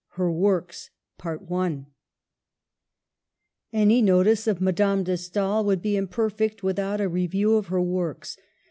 HER WORKS, Any notice of Madame de Stael would be im perfect without a review of her works.